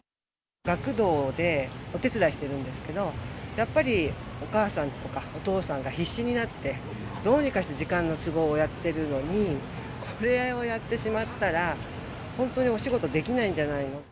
学童でお手伝いしてるんですけど、やっぱりお母さんとかお父さんが必死になって、どうにかして時間の都合をやっているのに、これをやってしまったら、本当にお仕事できないんじゃないの。